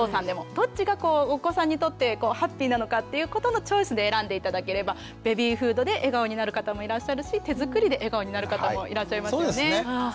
どっちがお子さんにとってハッピーなのかということのチョイスで選んで頂ければベビーフードで笑顔になる方もいらっしゃるし手作りで笑顔になる方もいらっしゃいますよね。